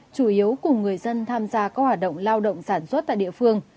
chủ yếu cùng người dân tham gia các hoạt động lao động sản xuất tại địa phương